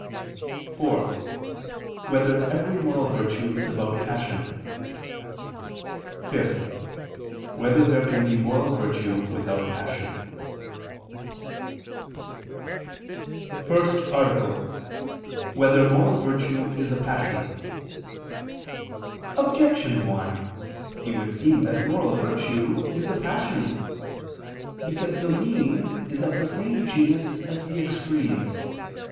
(4) Whether every moral virtue is about a passion? (5) Whether there can be moral virtue without passion? ________________________ FIRST ARTICLE [I II, Q. 59, Art. 1] Whether Moral Virtue Is a Passion? Objection 1: It would seem that moral virtue is a passion. Because the mean is of the same genus as the extremes.